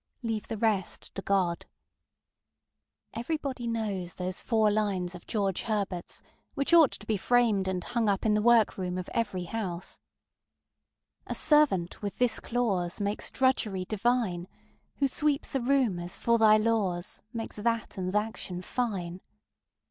Leave the rest to God. Everybody knows those four lines of George HerbertŌĆÖs, which ought to be framed and hung up in the work room of every house:ŌĆö ŌĆ£A servant, with this clause, Makes drudgery divine; Who sweeps a room as for Thy laws Makes that and thŌĆÖ action fine.